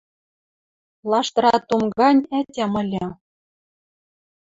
Лаштыра тум гань ӓтям ыльы